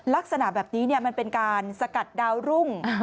ลักษณะแบบนี้มันเป็นการสกัดดาวรุ่ง